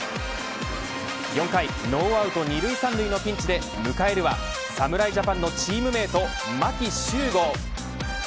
４回ノーアウト２塁３塁のピンチで迎えるは、侍ジャパンのチームメート、牧秀悟。